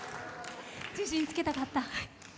自信をつけたかった。